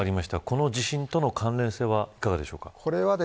この地震との関連性はいかがですか。